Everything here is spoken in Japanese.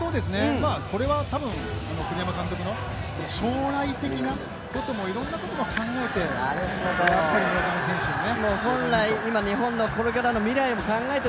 これは栗山監督の将来的な、いろんなことも考えて、やっぱり村上選手をね。